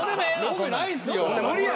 ・よくないっすよ。